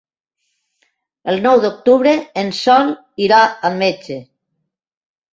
El nou d'octubre en Sol irà al metge.